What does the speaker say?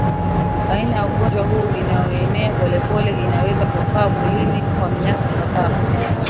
Aina ya ugonjwa huu inayoenea polepole inaweza kukaa mwilini kwa miaka kadhaa